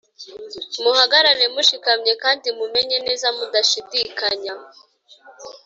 Muhagarare mushikamye kandi mumenye neza mudashidikanya